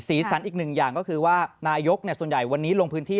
สันอีกหนึ่งอย่างก็คือว่านายกส่วนใหญ่วันนี้ลงพื้นที่